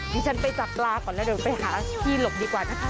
ดิฉันไปจับปลาก่อนแล้วเดี๋ยวไปหาที่หลบดีกว่านะคะ